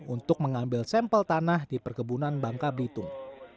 untuk mengambil sampel tanah di perkebunan bangka belitung